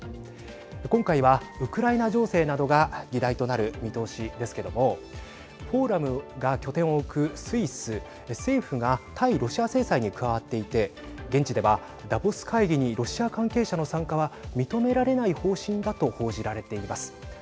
今回はウクライナ情勢などが議題となる見通しですけどもフォーラムが拠点を置くスイス政府が対ロシア制裁に加わっていて現地ではダボス会議にロシア関係者の参加は認められない方針だと報じられています。